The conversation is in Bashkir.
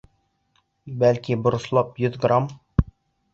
Бәлки, борослап йөҙ грамм...